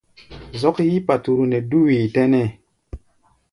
Zɔ́k yí paturu nɛ dú wee tɛ́nɛ́.